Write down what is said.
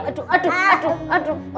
aduh aduh aduh aduh